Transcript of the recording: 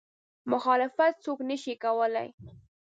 مخالفت څوک نه شي کولی.